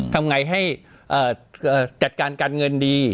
ทำไงให้จัดการการเงินดี